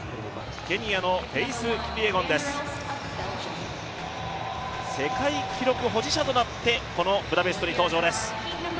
ケニアのフェイス・キピエゴンです世界記録保持者となってこのブダペストに登場です。